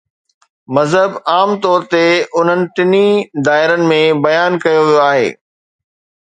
مذهب عام طور تي انهن ٽنهي دائرن ۾ بيان ڪيو ويو آهي.